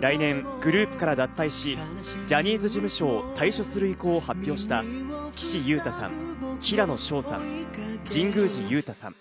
来年グループから脱退し、ジャニーズ事務所を退所する意向を発表した岸優太さん、平野紫耀さん、神宮寺勇太さん。